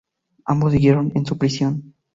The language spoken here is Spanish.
Ambos siguieron en su prisión.